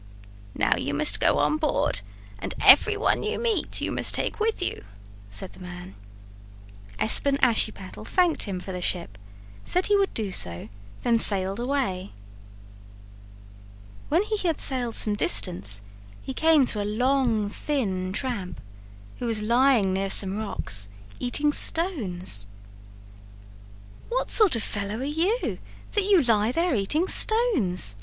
"Now you must go on board and everyone you meet you must take with you," said the man. Espen Ashiepattle thanked him for the ship, said he would do so, and then sailed away. When he had sailed some distance he came to a long, thin tramp, who was lying near some rocks, eating stones. "What sort of a fellow are you, that you lie there eating stones?"